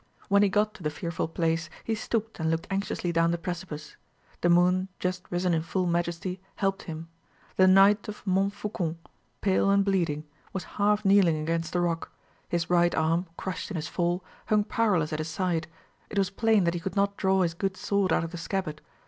When he got to the fearful place, he stooped and looked anxiously down the precipice. The moon, just risen in full majesty, helped him. The Knight of Montfaucon, pale and bleeding, was half kneeling against the rock; his right arm, crushed in his fall, hung powerless at his side; it was plain that he could not draw his good sword out of the scabbard.